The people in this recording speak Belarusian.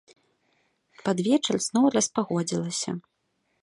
Пад вечар зноў распагодзілася.